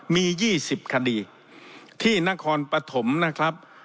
มียี่สิบคดีที่นครปฐมนะครับ